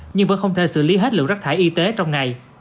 nhưng vẫn không thể xử lý hết lượng rác thải y tế trong ngày